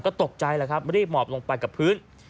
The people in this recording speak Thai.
ก็ตกใจแล้วครับรีบหมอบลงไปกับพื้น